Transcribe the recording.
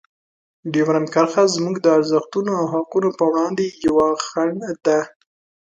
ډیورنډ کرښه زموږ د ارزښتونو او حقونو په وړاندې یوه خنډ ده.